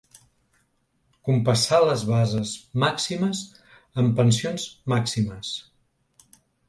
Compassar les bases màximes amb pensions màximes.